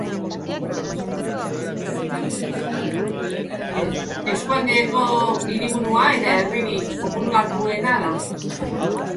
Eskualdeko hiriburua eta herririk populatuena da.